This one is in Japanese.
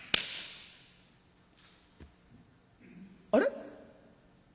「あれ？